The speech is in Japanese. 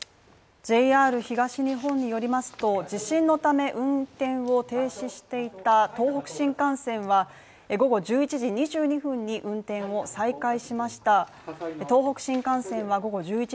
ＪＲ東日本によりますと地震のため、運転を停止していた東北新幹線は午後１１時２２分に運転を再開しました。